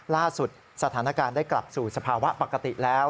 ล่าสุดสถานการณ์ได้กลับสู่สภาวะปกติแล้ว